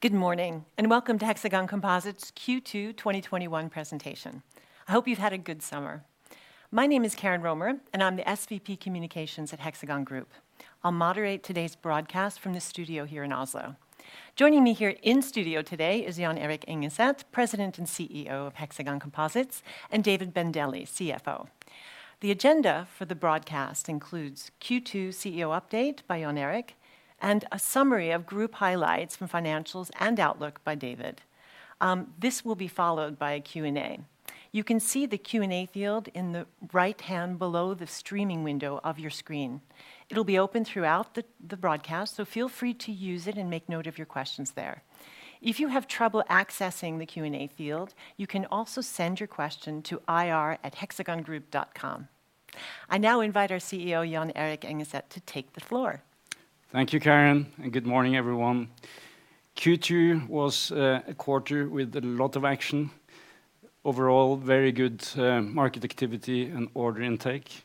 Good morning, and welcome to Hexagon Composites' Q2 2021 presentation. I hope you've had a good summer. My name is Karen Romer, and I'm the SVP Communications at Hexagon Group. I'll moderate today's broadcast from the studio here in Oslo. Joining me here in studio today is Jon Erik Engeset, President and CEO of Hexagon Composites, and David Bandele, CFO. The agenda for the broadcast includes Q2 CEO update by Jon Erik, and a summary of group highlights from financials and outlook by David. This will be followed by a Q&A. You can see the Q&A field in the right hand below the streaming window of your screen. It'll be open throughout the broadcast, so feel free to use it and make note of your questions there. If you have trouble accessing the Q&A field, you can also send your question to ir@hexagongroup.com. I now invite our CEO, Jon Erik Engeset, to take the floor. Thank you, Karen, and good morning, everyone. Q2 was a quarter with a lot of action. Overall, very good market activity and order intake.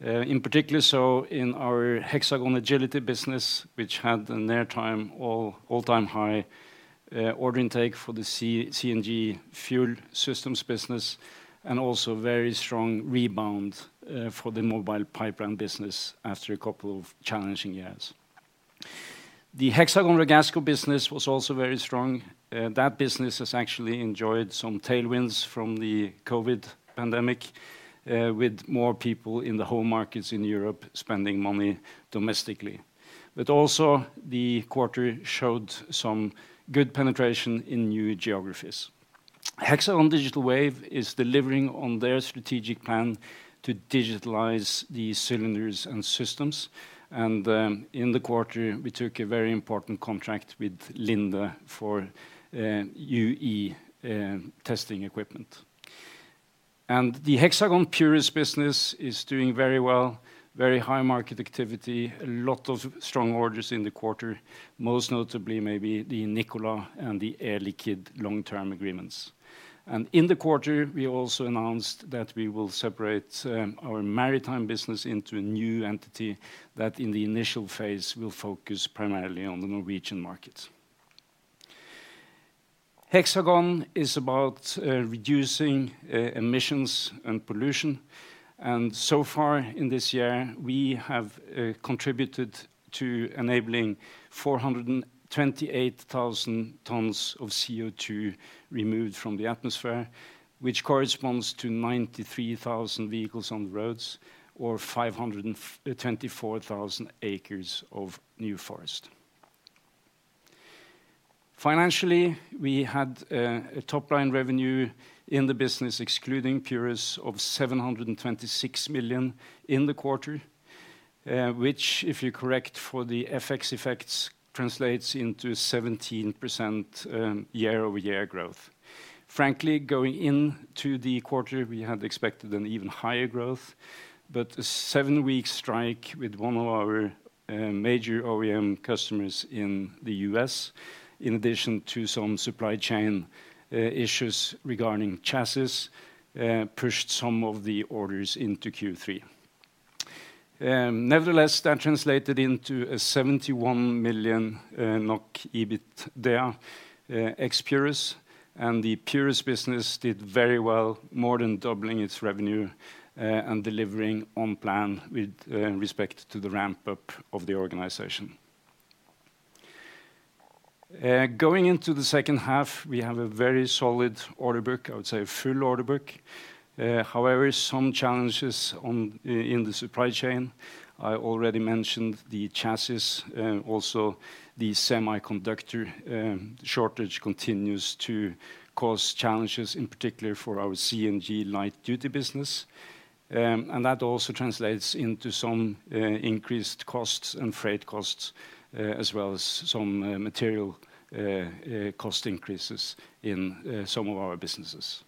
In particular, in our Hexagon Agility business, which had an all-time high order intake for the CNG fuel systems business, and also very strong rebound for the Mobile Pipeline business after a couple of challenging years. The Hexagon Ragasco business was also very strong. That business has actually enjoyed some tailwinds from the COVID pandemic with more people in the home markets in Europe spending money domestically. Also, the quarter showed some good penetration in new geographies. Hexagon Digital Wave is delivering on their strategic plan to digitalize the cylinders and systems, and in the quarter, we took a very important contract with Linde for UE testing equipment. The Hexagon Purus business is doing very well, very high market activity, a lot of strong orders in the quarter, most notably maybe the Nikola and the Air Liquide long-term agreements. In the quarter, we also announced that we will separate our maritime business into a new entity that in the initial phase will focus primarily on the Norwegian market. Hexagon is about reducing emissions and pollution, and so far in this year, we have contributed to enabling 428,000 tons of CO2 removed from the atmosphere, which corresponds to 93,000 vehicles on roads or 524,000 acres of new forest. Financially, we had a top-line revenue in the business excluding Purus of 726 million in the quarter, which, if you correct for the FX effects, translates into 17% year-over-year growth. Frankly, going into the quarter, we had expected an even higher growth, but a seven-week strike with one of our major OEM customers in the U.S., in addition to some supply chain issues regarding chassis, pushed some of the orders into Q3. Nevertheless, that translated into a 71 million NOK EBITDA ex Purus, and the Purus business did very well, more than doubling its revenue and delivering on plan with respect to the ramp-up of the organization. Going into the second half, we have a very solid order book, I would say a full order book. Some challenges in the supply chain. I already mentioned the chassis. The semiconductor shortage continues to cause challenges, in particular for our CNG light duty business. That also translates into some increased costs and freight costs, as well as some material cost increases in some of our businesses.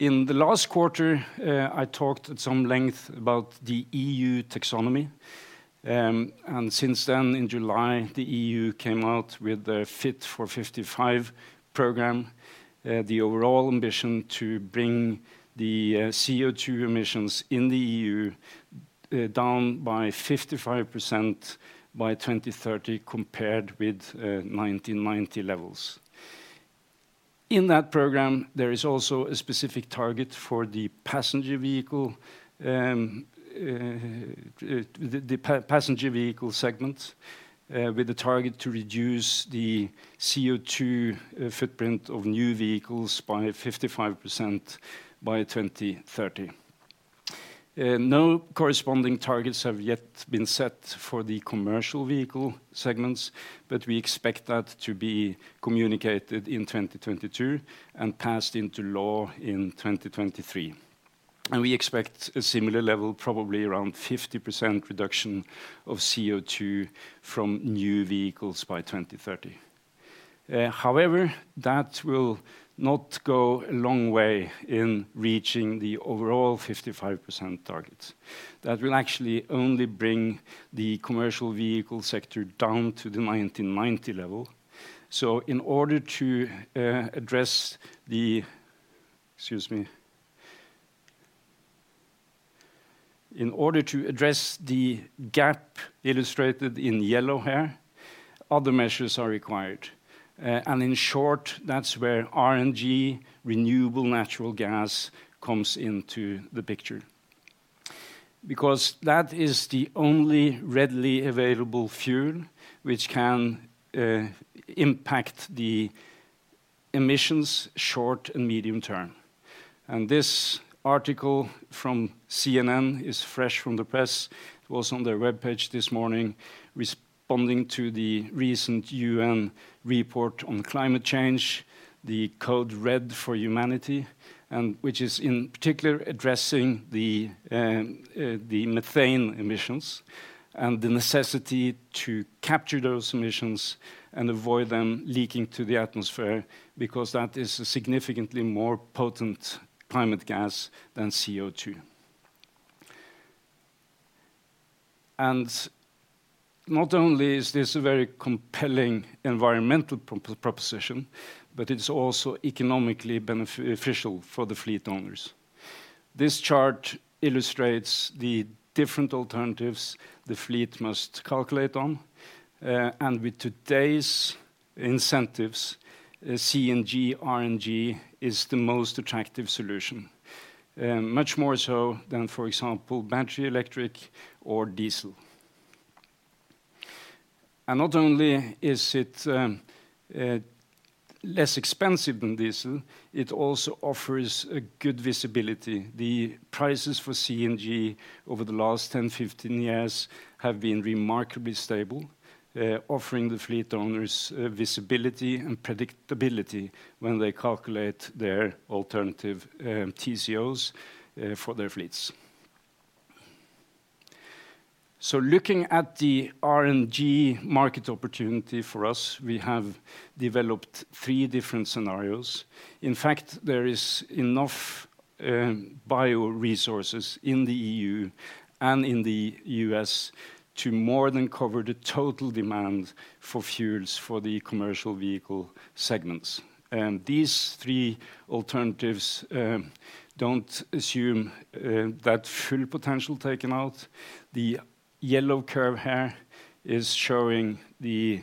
In the last quarter, I talked at some length about the E.U. taxonomy. Since then in July, the E.U. came out with the Fit for 55 program, the overall ambition to bring the CO2 emissions in the E.U. down by 55% by 2030, compared with 1990 levels. In that program, there is also a specific target for the passenger vehicle segment, with a target to reduce the CO2 footprint of new vehicles by 55% by 2030. No corresponding targets have yet been set for the commercial vehicle segments. We expect that to be communicated in 2022 and passed into law in 2023. We expect a similar level, probably around 50% reduction of CO2 from new vehicles by 2030. However, that will not go a long way in reaching the overall 55% target. That will actually only bring the commercial vehicle sector down to the 1990 level. In order to address the gap illustrated in yellow here, other measures are required. In short, that's where RNG, renewable natural gas, comes into the picture. That is the only readily available fuel which can impact the emissions short and medium term. This article from CNN is fresh from the press. It was on their webpage this morning responding to the recent U.N. report on climate change, the code red for humanity, which is in particular addressing the methane emissions and the necessity to capture those emissions and avoid them leaking to the atmosphere, because that is a significantly more potent climate gas than CO2. Not only is this a very compelling environmental proposition, but it's also economically beneficial for the fleet owners. This chart illustrates the different alternatives the fleet must calculate on. With today's incentives, CNG, RNG is the most attractive solution, much more so than, for example, battery electric or diesel. Not only is it less expensive than diesel, it also offers good visibility. The prices for CNG over the last 10, 15 years have been remarkably stable, offering the fleet owners visibility and predictability when they calculate their alternative TCOs for their fleets. Looking at the RNG market opportunity for us, we have developed three different scenarios. In fact, there is enough bio resources in the E.U. and in the U.S. to more than cover the total demand for fuels for the commercial vehicle segments. These three alternatives don't assume that full potential taken out. The yellow curve here is showing the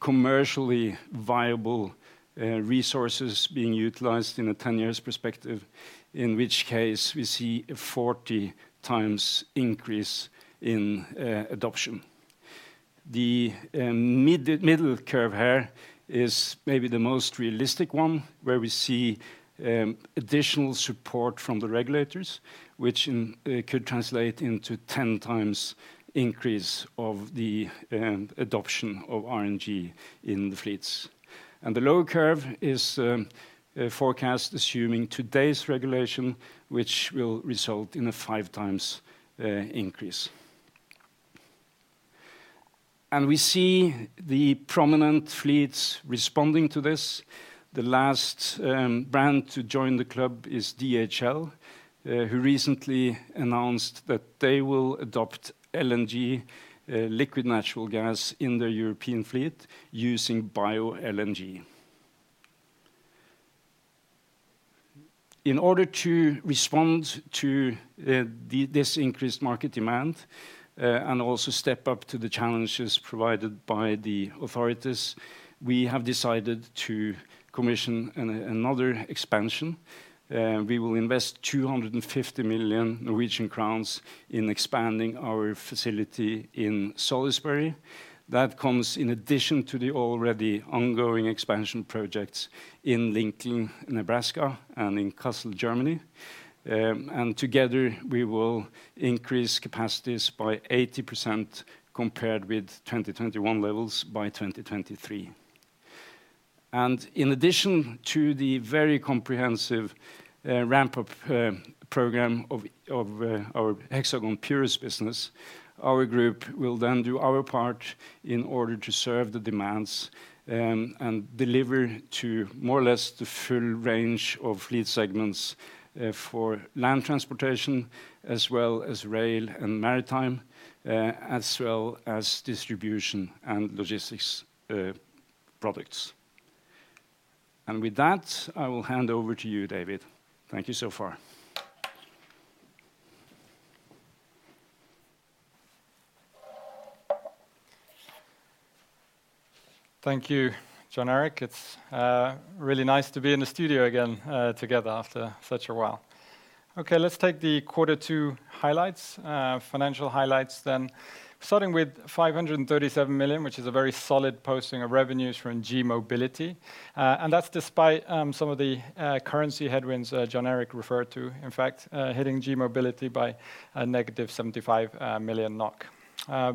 commercially viable resources being utilized in a 10-year perspective, in which case we see a 40x increase in adoption. The middle curve here is maybe the most realistic one, where we see additional support from the regulators, which could translate into 10x increase of the adoption of RNG in the fleets. The lower curve is a forecast assuming today's regulation, which will result in a 5x increase. We see the prominent fleets responding to this. The last brand to join the club is DHL, who recently announced that they will adopt LNG, liquid natural gas, in their European fleet using bio-LNG. In order to respond to this increased market demand, and also step up to the challenges provided by the authorities, we have decided to commission another expansion. We will invest 250 million Norwegian crowns in expanding our facility in Salisbury. That comes in addition to the already ongoing expansion projects in Lincoln, Nebraska, and in Kassel, Germany. Together, we will increase capacities by 80% compared with 2021 levels by 2023. In addition to the very comprehensive ramp-up program of our Hexagon Purus business, our group will then do our part in order to serve the demands and deliver to more or less the full range of fleet segments for land transportation, as well as rail and maritime, as well as distribution and logistics products. With that, I will hand over to you, David. Thank you so far. Thank you, Jon Erik. It's really nice to be in the studio again together after such a while. Let's take the quarter two financial highlights then. Starting with 537 million, which is a very solid posting of revenues from G-Mobility. That's despite some of the currency headwinds Jon Erik referred to, in fact, hitting G-Mobility by a -75 million NOK.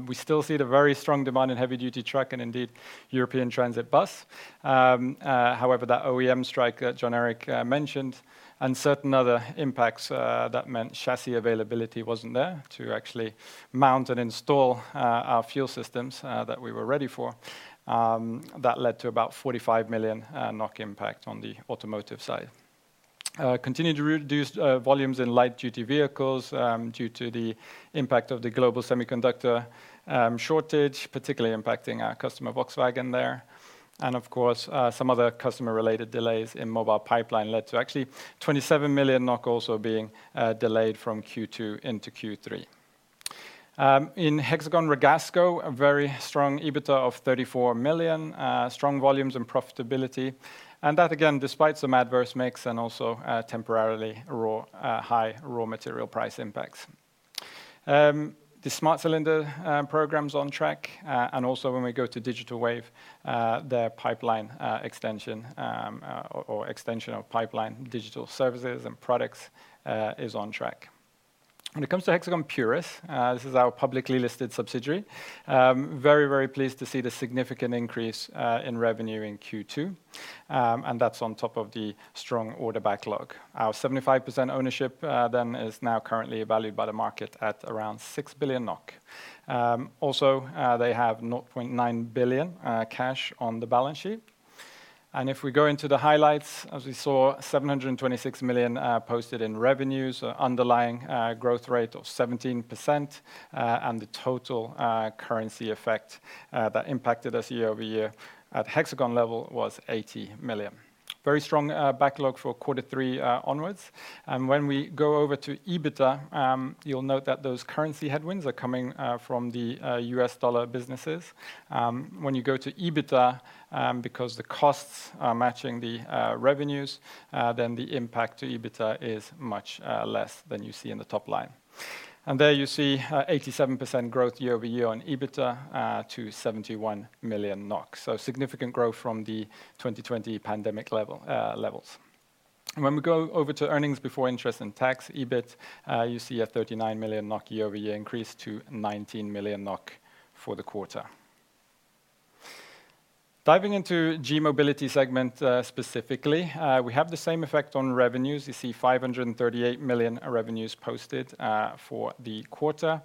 We still see the very strong demand in heavy-duty truck and indeed European transit bus. However, that OEM strike that Jon Erik mentioned and certain other impacts, that meant chassis availability wasn't there to actually mount and install our fuel systems that we were ready for. That led to about 45 million NOK impact on the automotive side. Continued reduced volumes in light-duty vehicles due to the impact of the global semiconductor shortage, particularly impacting our customer, Volkswagen, there. Of course, some other customer-related delays in Mobile Pipeline led to actually 27 million NOK also being delayed from Q2 into Q3. In Hexagon Ragasco, a very strong EBITDA of 34 million, strong volumes and profitability. That, again, despite some adverse mix and also temporarily high raw material price impacts. The Smart Cylinder program's on track. Also when we go to Hexagon Digital Wave, their extension of pipeline digital services and products is on track. When it comes to Hexagon Purus, this is our publicly listed subsidiary. Very pleased to see the significant increase in revenue in Q2, and that's on top of the strong order backlog. Our 75% ownership then is now currently valued by the market at around 6 billion NOK. Also, they have 0.9 billion cash on the balance sheet. If we go into the highlights, as we saw, 726 million posted in revenues, underlying growth rate of 17%, the total currency effect that impacted us year-over-year at Hexagon level was 80 million. Very strong backlog for quarter three onwards. When we go over to EBITDA, you'll note that those currency headwinds are coming from the U.S. dollar businesses. When you go to EBITDA, because the costs are matching the revenues, then the impact to EBITDA is much less than you see in the top line. There you see 87% growth year-over-year on EBITDA to 71 million NOK. Significant growth from the 2020 pandemic levels. When we go over to earnings before interest and tax, EBIT, you see a 39 million NOK year-over-year increase to 19 million NOK for the quarter. Diving into G-Mobility segment specifically, we have the same effect on revenues. You see 538 million revenues posted for the quarter.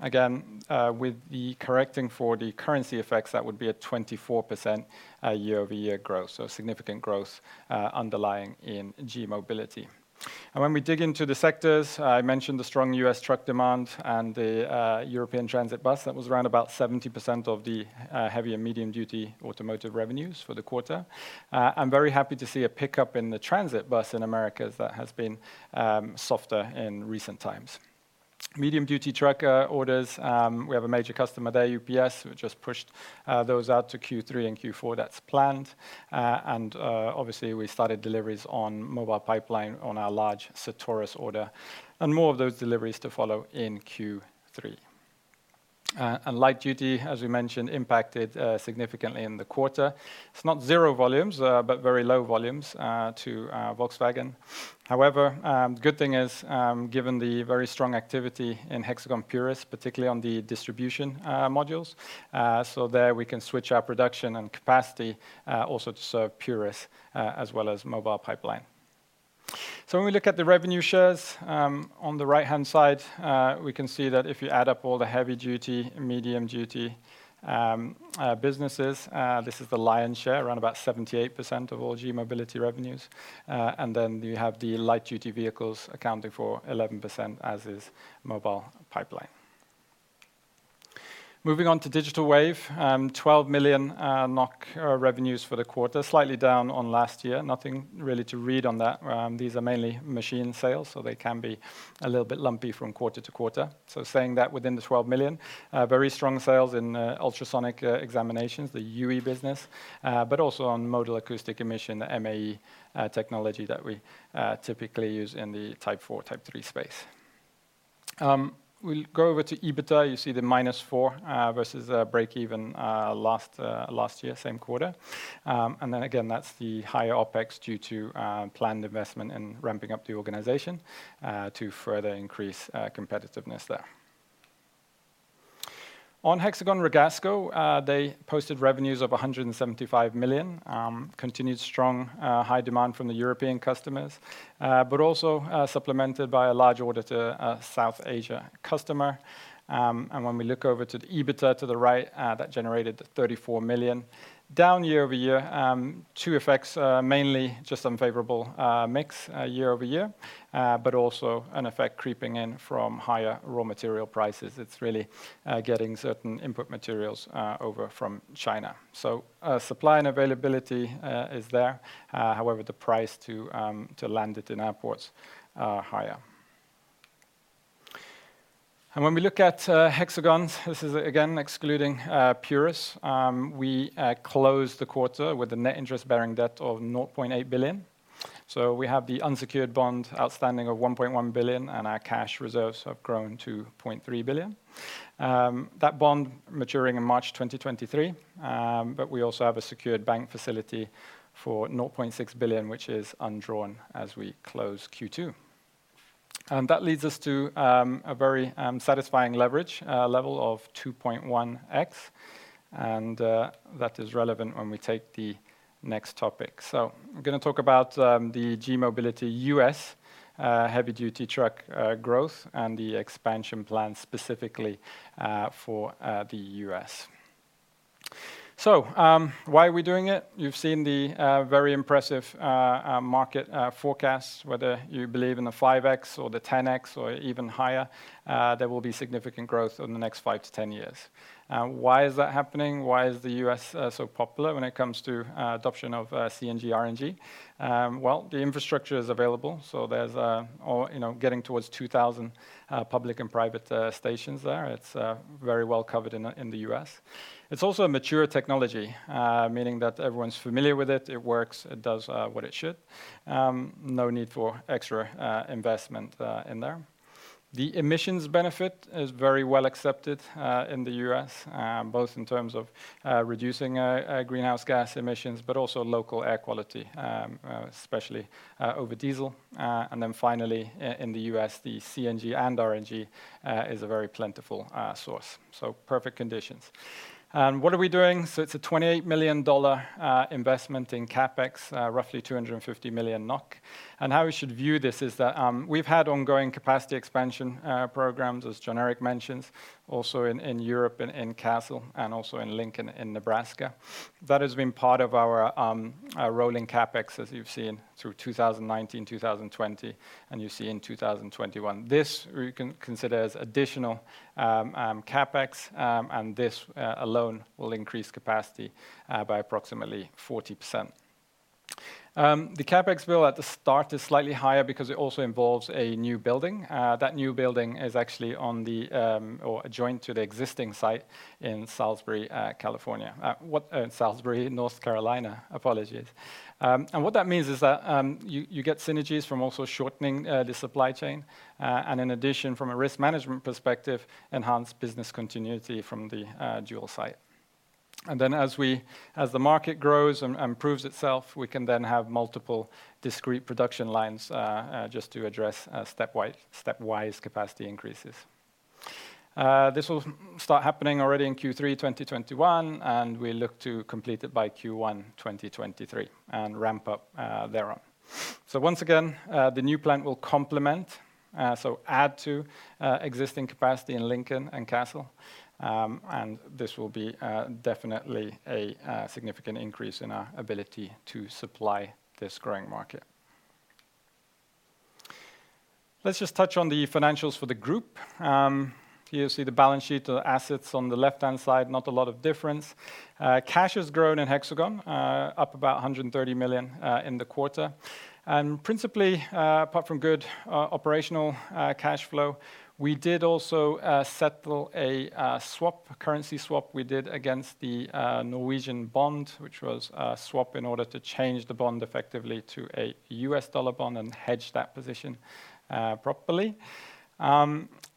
With the correcting for the currency effects, that would be a 24% year-over-year growth, so significant growth underlying in G-Mobility. When we dig into the sectors, I mentioned the strong U.S. truck demand and the European transit bus. That was around about 70% of the heavy and medium-duty automotive revenues for the quarter. I'm very happy to see a pickup in the transit bus in Americas. That has been softer in recent times. Medium-duty truck orders, we have a major customer there, UPS. We just pushed those out to Q3 and Q4. That's planned. Obviously we started deliveries on Mobile Pipeline on our large Certarus order, and more of those deliveries to follow in Q3. Light duty, as we mentioned, impacted significantly in the quarter. It's not zero volumes, but very low volumes to Volkswagen. Good thing is, given the very strong activity in Hexagon Purus, particularly on the distribution modules, there we can switch our production and capacity also to serve Purus as well as Mobile Pipeline. When we look at the revenue shares, on the right-hand side, we can see that if you add up all the heavy-duty and medium-duty businesses, this is the lion's share, around about 78% of all G-Mobility revenues. You have the light-duty vehicles accounting for 11%, as is Mobile Pipeline. Moving on to Digital Wave, 12 million NOK revenues for the quarter, slightly down on last year. Nothing really to read on that. These are mainly machine sales, so they can be a little bit lumpy from quarter to quarter. Saying that within the 12 million, very strong sales in ultrasonic examinations, the UE business, but also on modal acoustic emission, the MAE technology that we typically use in the Type 4, Type 3 space. We'll go over to EBITDA. You see the -4 versus breakeven last year, same quarter. Again, that's the higher OpEx due to planned investment in ramping up the organization to further increase competitiveness there. On Hexagon Ragasco, they posted revenues of 175 million. Continued strong high demand from the European customers, also supplemented by a large order to a South Asia customer. When we look over to the EBITDA to the right, that generated the 34 million, down year-over-year. Two effects, mainly just unfavorable mix year-over-year, also an effect creeping in from higher raw material prices. It's really getting certain input materials over from China. Supply and availability is there. However, the price to land it in our ports are higher. When we look at Hexagon, this is again excluding Purus. We closed the quarter with a net interest-bearing debt of 0.8 billion. We have the unsecured bond outstanding of 1.1 billion, and our cash reserves have grown to 0.3 billion. That bond maturing in March 2023. We also have a secured bank facility for 0.6 billion, which is undrawn as we close Q2. That leads us to a very unsatisfying leverage level of 2.1x, and that is relevant when we take the next topic. I'm going to talk about the G-Mobility U.S. heavy-duty truck growth and the expansion plan specifically for the U.S. Why are we doing it? You've seen the very impressive market forecasts, whether you believe in the 5x or the 10x or even higher, there will be significant growth in the next 5 -10 years. Why is that happening? Why is the U.S. so popular when it comes to adoption of CNG, RNG? Well, the infrastructure is available, so there's getting towards 2,000 public and private stations there. It's very well covered in the U.S. It's also a mature technology, meaning that everyone's familiar with it. It works. It does what it should. No need for extra investment in there. The emissions benefit is very well accepted in the U.S., both in terms of reducing greenhouse gas emissions, but also local air quality, especially over diesel. Finally, in the U.S., the CNG and RNG is a very plentiful source, so perfect conditions. What are we doing? It's a $28 million investment in CapEx, roughly 250 million NOK. How we should view this is that we've had ongoing capacity expansion programs, as Jon Erik mentioned, also in Europe and in Kassel and also in Lincoln, Nebraska. That has been part of our rolling CapEx, as you've seen through 2019, 2020, and you see in 2021. This we can consider as additional CapEx, and this alone will increase capacity by approximately 40%. The CapEx bill at the start is slightly higher because it also involves a new building. That new building is actually adjoined to the existing site in Salisbury, North Carolina. What that means is that you get synergies from also shortening the supply chain, and in addition, from a risk management perspective, enhanced business continuity from the dual site. As the market grows and improves itself, we can have multiple discrete production lines just to address stepwise capacity increases. This will start happening already in Q3 2021, we look to complete it by Q1 2023 and ramp up thereon. Once again, the new plant will complement, so add to, existing capacity in Lincoln and Kassel. This will be definitely a significant increase in our ability to supply this growing market. Let's just touch on the financials for the group. Here you see the balance sheet of assets on the left-hand side, not a lot of difference. Cash has grown in Hexagon, up about 130 million in the quarter. Principally, apart from good operational cash flow, we did also settle a swap, currency swap we did against the Norwegian bond, which was a swap in order to change the bond effectively to a U.S. dollar bond and hedge that position properly.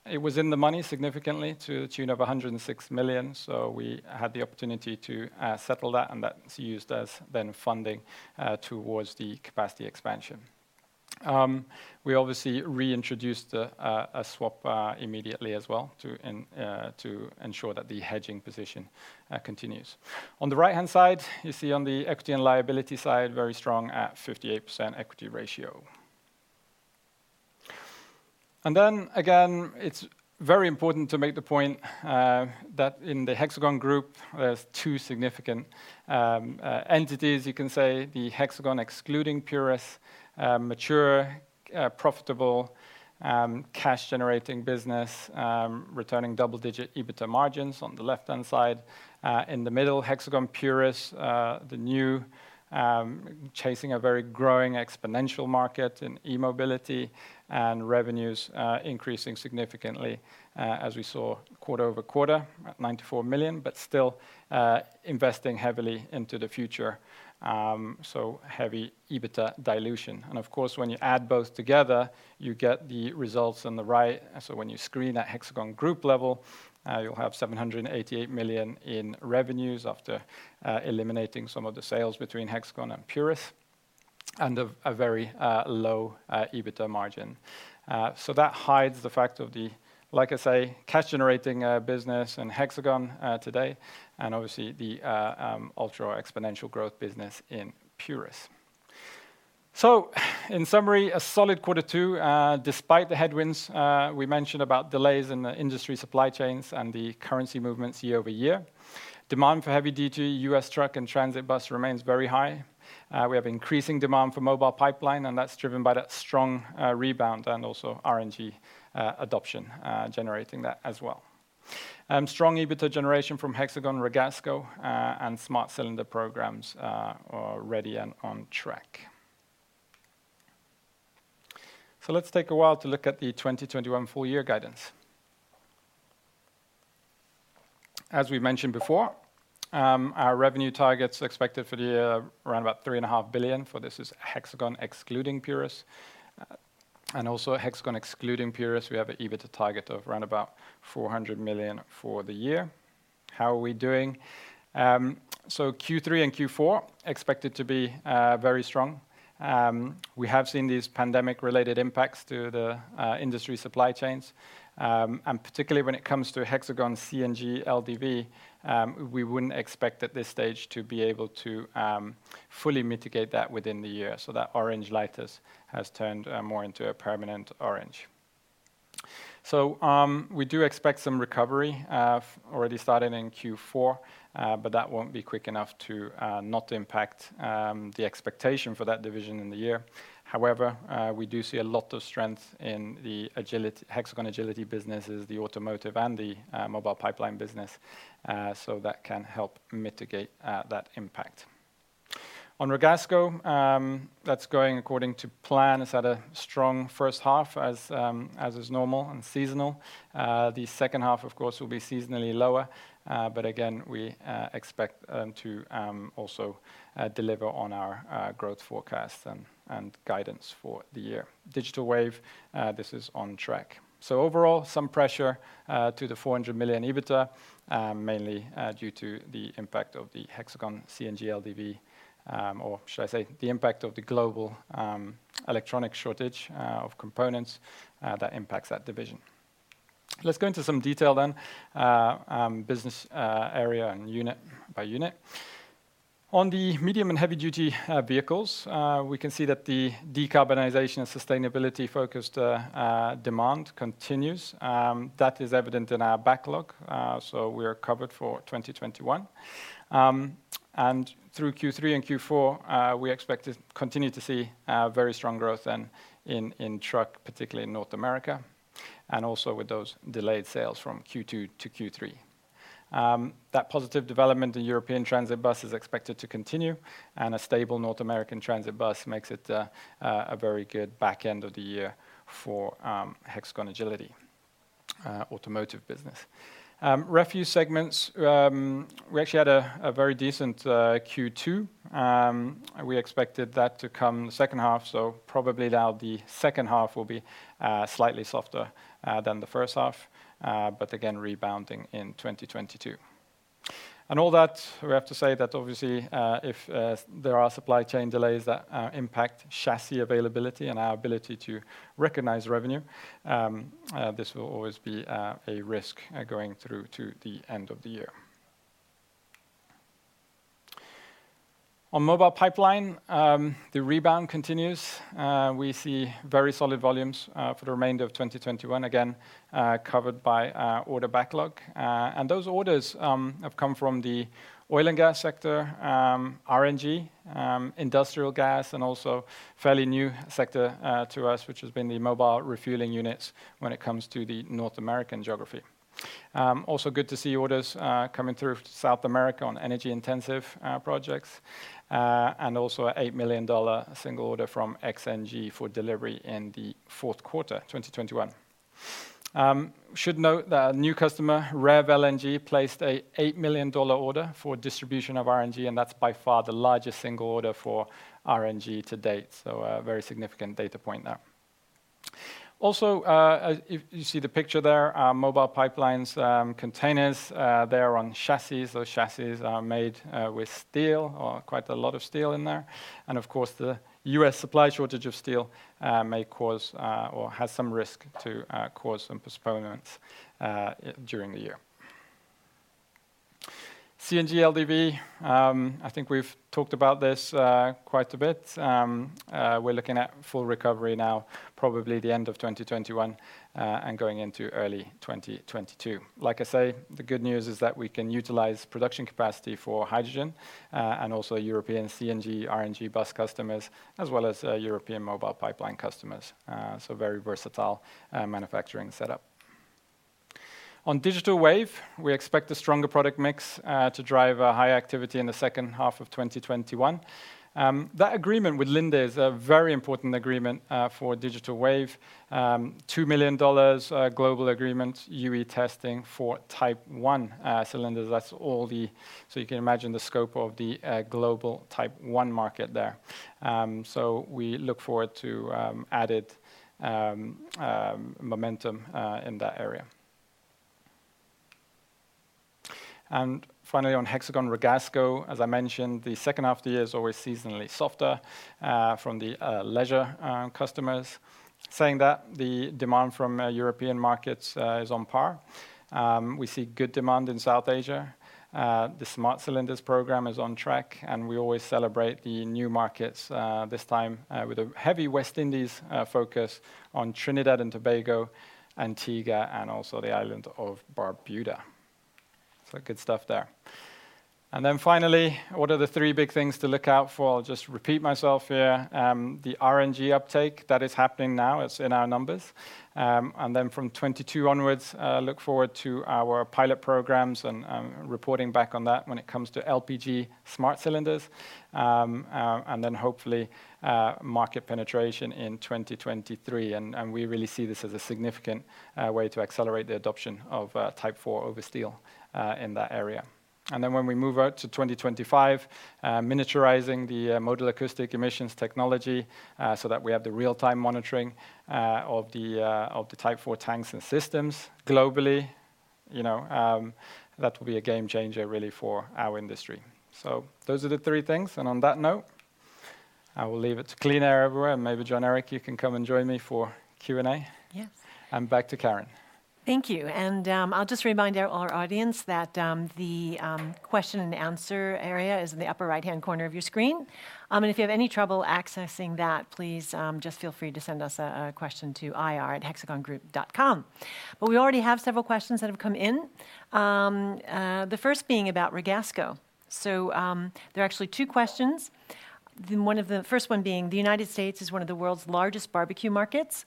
It was in the money significantly to the tune of 106 million. We had the opportunity to settle that, and that is used as then funding towards the capacity expansion. We obviously reintroduced a swap immediately as well to ensure that the hedging position continues. On the right-hand side, you see on the equity and liability side, very strong at 58% equity ratio. Then again, it is very important to make the point that in the Hexagon Group, there are two significant entities, you can say, the Hexagon excluding Hexagon Purus, mature, profitable, cash-generating business, returning double-digit EBITDA margins on the left-hand side. In the middle, Hexagon Purus, the new, chasing a very growing exponential market in e-mobility and revenues increasing significantly as we saw quarter-over-quarter at 94 million, but still investing heavily into the future, so heavy EBITDA dilution. Of course, when you add both together, you get the results on the right. When you screen at Hexagon Group level, you will have 788 million in revenues after eliminating some of the sales between Hexagon and Purus and a very low EBITDA margin. That hides the fact of the, like I say, cash-generating business in Hexagon today and obviously the ultra-exponential growth business in Purus. In summary, a solid quarter two, despite the headwinds we mentioned about delays in the industry supply chains and the currency movements year-over-year. Demand for heavy-duty U.S. truck and transit bus remains very high. We have increasing demand for Mobile Pipeline, that's driven by that strong rebound and also RNG adoption generating that as well. Strong EBITDA generation from Hexagon, Ragasco, and Smart Cylinder programs are ready and on track. Let's take a while to look at the 2021 full-year guidance. As we mentioned before, our revenue targets expected for the year around about 3.5 billion, for this is Hexagon excluding Purus. Also Hexagon excluding Purus, we have an EBITDA target of around about 400 million for the year. How are we doing? Q3 and Q4 expected to be very strong. We have seen these pandemic-related impacts to the industry supply chains. Particularly when it comes to Hexagon CNG LDV, we wouldn't expect at this stage to be able to fully mitigate that within the year. That orange light has turned more into a permanent orange. We do expect some recovery, already started in Q4, but that won't be quick enough to not impact the expectation for that division in the year. However, we do see a lot of strength in the Hexagon Agility businesses, the automotive, and the Mobile Pipeline business, so that can help mitigate that impact. On Ragasco, that's going according to plan. It's had a strong first half as is normal and seasonal. The second half, of course, will be seasonally lower. Again, we expect to also deliver on our growth forecast and guidance for the year. Digital Wave, this is on track. Overall, some pressure to the 400 million EBITDA, mainly due to the impact of the Hexagon CNG LDV, or should I say the impact of the global electronic shortage of components that impacts that division. Let's go into some detail, business area and unit by unit. On the medium and heavy-duty vehicles, we can see that the decarbonization and sustainability-focused demand continues. That is evident in our backlog. We are covered for 2021. Through Q3 and Q4, we expect to continue to see very strong growth in truck, particularly in North America, and also with those delayed sales from Q2 to Q3. That positive development in European transit bus is expected to continue, and a stable North American transit bus makes it a very good back end of the year for Hexagon Agility automotive business. Refuse segments, we actually had a very decent Q2. We expected that to come the second half, probably now the second half will be slightly softer than the first half. Again, rebounding in 2022. On all that, we have to say that obviously, if there are supply chain delays that impact chassis availability and our ability to recognize revenue, this will always be a risk going through to the end of the year. On Mobile Pipeline, the rebound continues. We see very solid volumes for the remainder of 2021, again, covered by order backlog. Those orders have come from the oil and gas sector, RNG, industrial gas, and also fairly new sector to us, which has been the mobile refueling units when it comes to the North American geography. Also good to see orders coming through South America on energy-intensive projects, and also a NOK 8 million single order from XNG for delivery in the fourth quarter 2021. Should note that a new customer, REV LNG, placed a $8 million order for distribution of RNG, and that's by far the largest single order for RNG to date. A very significant data point there. Also, if you see the picture there, Mobile Pipeline containers, they are on chassis. Those chassis are made with steel or quite a lot of steel in there. Of course, the U.S. supply shortage of steel may cause or has some risk to cause some postponements during the year. CNG LDV, I think we've talked about this quite a bit. We're looking at full recovery now, probably the end of 2021, and going into early 2022. Like I say, the good news is that we can utilize production capacity for hydrogen, and also European CNG, RNG bus customers, as well as European Mobile Pipeline customers. Very versatile manufacturing setup. On Digital Wave, we expect a stronger product mix to drive a high activity in the second half of 2021. That agreement with Linde is a very important agreement for Digital Wave. $2 million global agreement, UE testing for Type 1 cylinders. You can imagine the scope of the global Type 1 market there. We look forward to added momentum in that area. Finally, on Hexagon Ragasco, as I mentioned, the second half of the year is always seasonally softer from the leisure customers. Saying that, the demand from European markets is on par. We see good demand in South Asia. The Smart Cylinders program is on track, and we always celebrate the new markets, this time with a heavy West Indies focus on Trinidad and Tobago, Antigua, and also the island of Barbuda. Good stuff there. Finally, what are the three big things to look out for? I'll just repeat myself here. The RNG uptake, that is happening now, it's in our numbers. From 2022 onwards, look forward to our pilot programs and reporting back on that when it comes to LPG Smart Cylinders. Hopefully, market penetration in 2023, and we really see this as a significant way to accelerate the adoption of Type 4 over steel in that area. When we move out to 2025, miniaturizing the Modal Acoustic Emissions technology, so that we have the real-time monitoring of the Type 4 tanks and systems globally. That will be a game changer really for our industry. Those are the three things, and on that note, I will leave it to clean air everywhere. Maybe Jon Erik, you can come and join me for Q&A. Yes. Back to Karen. Thank you. I'll just remind our audience that the question and answer area is in the upper right-hand corner of your screen. If you have any trouble accessing that, please just feel free to send us a question to ir@hexagongroup.com. We already have several questions that have come in, the first being about Ragasco. There are actually two questions, the first one being, the United States is one of the world's largest barbecue markets.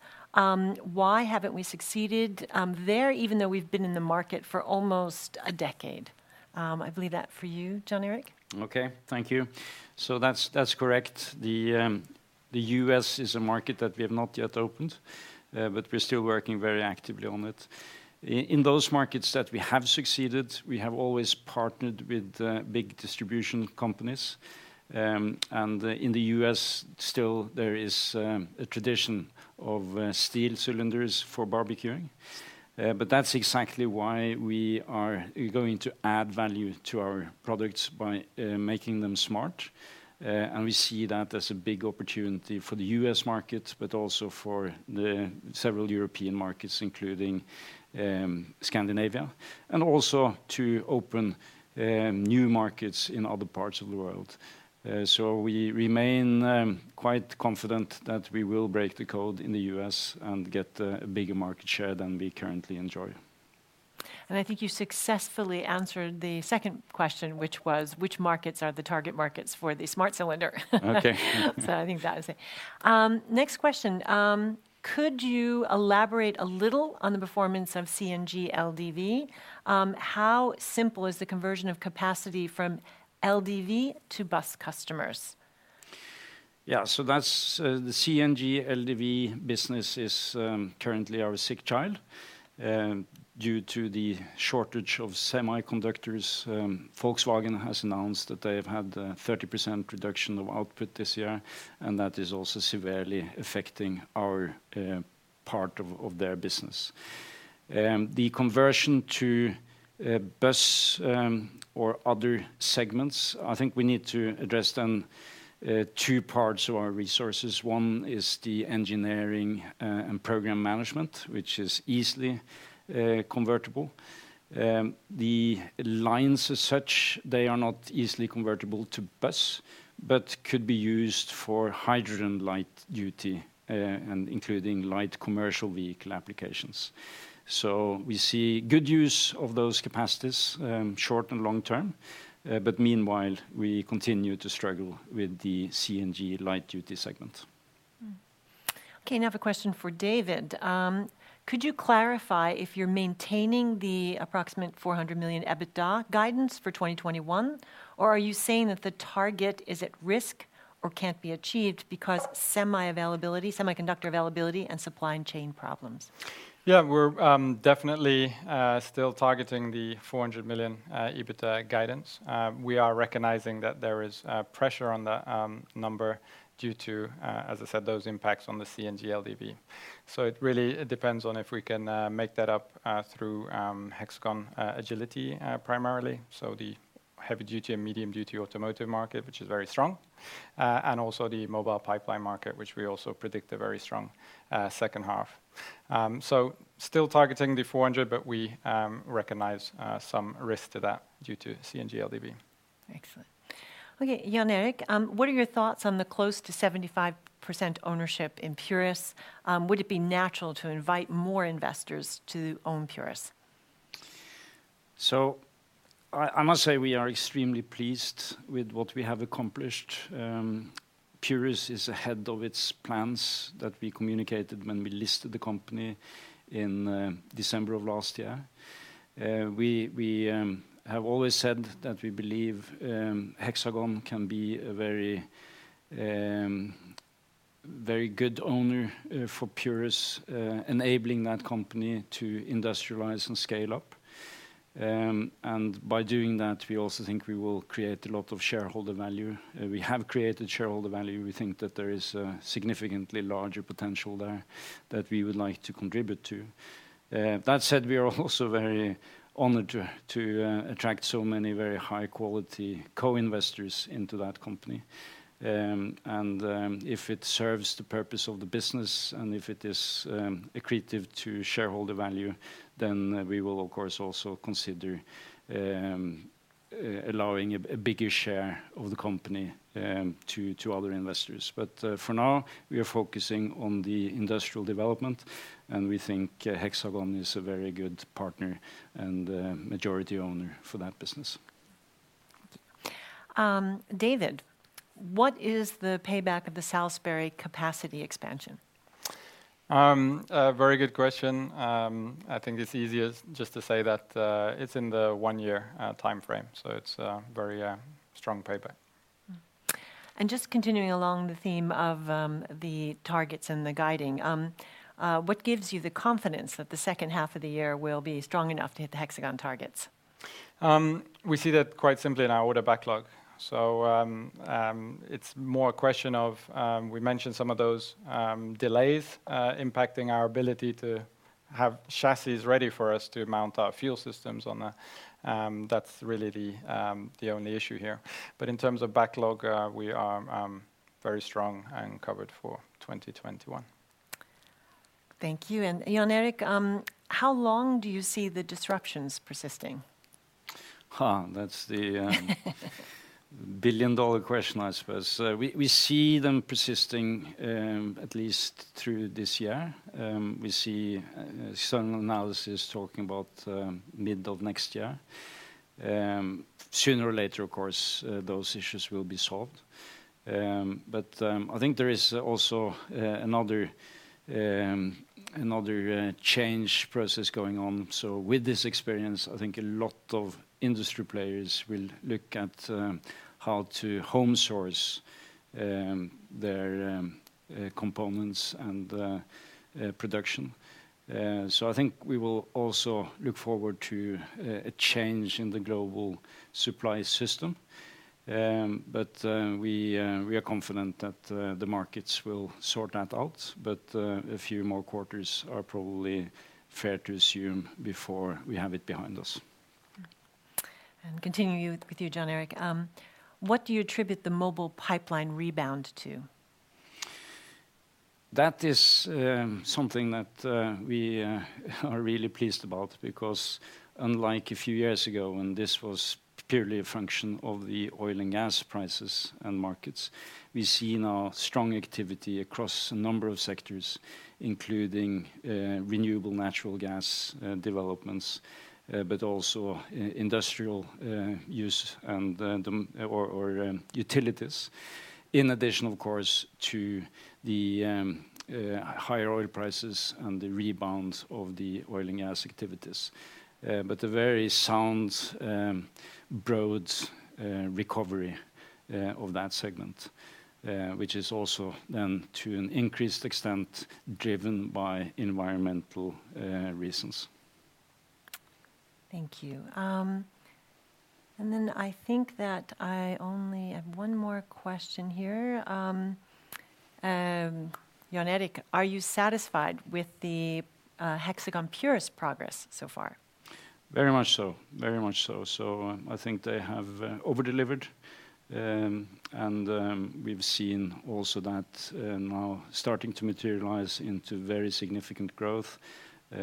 Why haven't we succeeded there even though we've been in the market for almost a decade? I believe that for you, Jon Erik. Okay. Thank you. That's correct. The U.S. is a market that we have not yet opened, but we're still working very actively on it. In those markets that we have succeeded, we have always partnered with big distribution companies. In the U.S., still there is a tradition of steel cylinders for barbecuing, but that's exactly why we are going to add value to our products by making them Smart. We see that as a big opportunity for the U.S. market, but also for the several European markets, including Scandinavia, and also to open new markets in other parts of the world. We remain quite confident that we will break the code in the U.S. and get a bigger market share than we currently enjoy. I think you successfully answered the second question, which was, which markets are the target markets for the Smart Cylinder? Okay. I think that was it. Next question. Could you elaborate a little on the performance of CNG LDV? How simple is the conversion of capacity from LDV to bus customers? The CNG LDV business is currently our sick child. Due to the shortage of semiconductors, Volkswagen has announced that they have had a 30% reduction of output this year, and that is also severely affecting our part of their business. The conversion to bus, or other segments, I think we need to address then two parts of our resources. One is the engineering and program management, which is easily convertible. The lines as such, they are not easily convertible to bus, but could be used for hydrogen light duty, and including light commercial vehicle applications. We see good use of those capacities, short and long term. Meanwhile, we continue to struggle with the CNG light duty segment. Now I have a question for David. Could you clarify if you're maintaining the approximate 400 million EBITDA guidance for 2021, or are you saying that the target is at risk or can't be achieved because semi availability, semiconductor availability, and supply chain problems? Yeah. We're definitely still targeting the 400 million EBITDA guidance. We are recognizing that there is pressure on that number due to, as I said, those impacts on the CNG LDV. It really depends on if we can make that up through Hexagon Agility, primarily, so the heavy duty and medium duty automotive market, which is very strong, and also the Mobile Pipeline market, which we also predict a very strong second half. Still targeting the 400 million, but we recognize some risk to that due to CNG LDV. Excellent. Okay, Jon Erik, what are your thoughts on the close to 75% ownership in Purus? Would it be natural to invite more investors to own Purus? I must say, we are extremely pleased with what we have accomplished. Hexagon Purus is ahead of its plans that we communicated when we listed the company in December of last year. We have always said that we believe Hexagon Composites can be a very good owner for Hexagon Purus, enabling that company to industrialize and scale up. By doing that, we also think we will create a lot of shareholder value. We have created shareholder value. We think that there is a significantly larger potential there that we would like to contribute to. That said, we are also very honored to attract so many very high-quality co-investors into that company. If it serves the purpose of the business, and if it is accretive to shareholder value, then we will, of course, also consider allowing a bigger share of the company to other investors. For now, we are focusing on the industrial development, and we think Hexagon is a very good partner and a majority owner for that business. David, what is the payback of the Salisbury capacity expansion? A very good question. I think it's easiest just to say that it's in the one-year timeframe, so it's a very strong payback. Just continuing along the theme of the targets and the guiding, what gives you the confidence that the second half of the year will be strong enough to hit the Hexagon targets? We see that quite simply in our order backlog. It's more a question of, we mentioned some of those delays impacting our ability to have chassis ready for us to mount our fuel systems on that. That's really the only issue here. In terms of backlog, we are very strong and covered for 2021. Thank you. Jon Erik, how long do you see the disruptions persisting? That's the billion-dollar question, I suppose. We see them persisting at least through this year. We see some analysis talking about mid of next year. Sooner or later, of course, those issues will be solved. I think there is also another change process going on. With this experience, I think a lot of industry players will look at how to home source their components and production. I think we will also look forward to a change in the global supply system. We are confident that the markets will sort that out. A few more quarters are probably fair to assume before we have it behind us. Continuing with you, Jon Erik, what do you attribute the Mobile Pipeline rebound to? That is something that we are really pleased about because unlike a few years ago, when this was purely a function of the oil and gas prices and markets, we see now strong activity across a number of sectors, including renewable natural gas developments, but also industrial use or utilities, in addition, of course, to the higher oil prices and the rebound of the oil and gas activities. A very sound, broad recovery of that segment, which is also then to an increased extent driven by environmental reasons. Thank you. I think that I only have one more question here. Jon Erik, are you satisfied with the Hexagon Purus progress so far? Very much so. I think they have over-delivered, and we've seen also that now starting to materialize into very significant growth,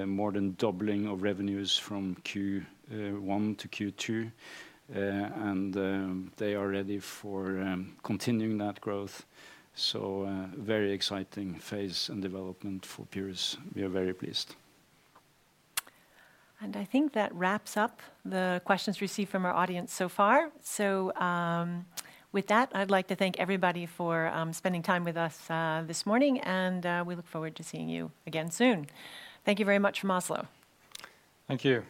more than doubling of revenues from Q1 to Q2, and they are ready for continuing that growth. A very exciting phase and development for Purus. We are very pleased. I think that wraps up the questions received from our audience so far. With that, I'd like to thank everybody for spending time with us this morning, and we look forward to seeing you again soon. Thank you very much from Oslo. Thank you.